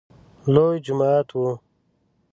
لوی جماعت و .